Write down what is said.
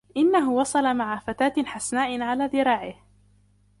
إنهُ وصل مع فتاة حسناء علي ذراعهُ.